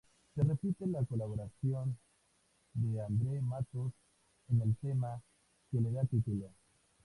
Se repite la colaboración de Andre Matos en el tema que le da título.